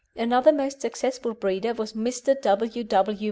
Another most successful breeder was Mr. W. W.